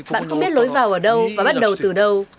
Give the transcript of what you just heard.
bạn không biết lối vào ở đâu và bắt đầu từ đâu